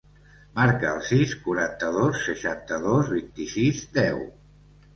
Marca el sis, quaranta-dos, seixanta-dos, vint-i-sis, deu.